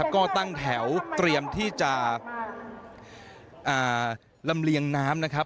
ก็ตั้งแถวเตรียมที่จะลำเลียงน้ำนะครับ